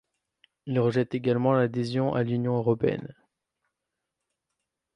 Ils rejettent également l’adhésion à l’Union européenne.